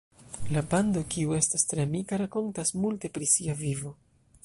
La pando, kiu estas tre amika, rakontas multe pri sia vivo.